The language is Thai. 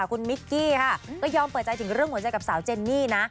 คุณมิกกี้ค่ะก็ยอมเปิดใจถึงเรื่องหัวใจกับสาวเจนนี่นะ